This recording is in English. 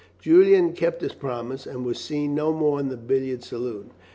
Julian kept his promise, and was seen no more in the billiard saloon.